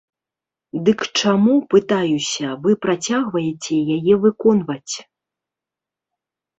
Дык чаму, пытаюся, вы працягваеце яе выконваць?